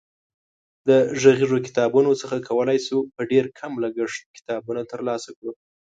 د غږیزو کتابتونونو څخه کولای شو په ډېر کم لګښت کتابونه ترلاسه کړو.